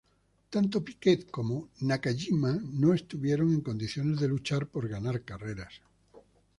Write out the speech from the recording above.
Tanto Piquet como Nakajima no estuvieron en condiciones de luchar por ganar carreras.